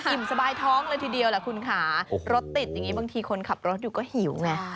อิ่มสบายท้องเลยทีเดียวแหละคุณค่ะรถติดอย่างนี้บางทีคนขับรถอยู่ก็หิวไง